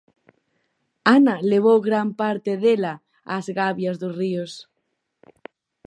Ana levou gran parte dela ás gabias dos ríos.